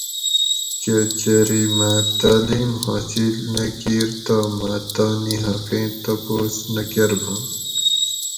کہ چری مہ تعلیم حاصل نہ کیر تہ مہ تانی حقیں تپوس نہ کۤرباۤں